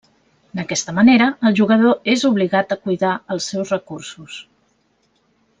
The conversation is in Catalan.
D'aquesta manera, el jugador és obligat a cuidar els seus recursos.